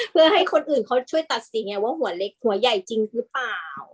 เพื่อให้คนอื่นเขาช่วยตัดสินไงว่าหัวเล็กหัวใหญ่จริงหรือเปล่า